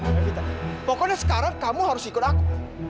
gavita pokoknya sekarang kamu harus ikut aku